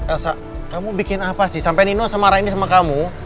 elsa kamu bikin apa sih sampai nino semara ini sama kamu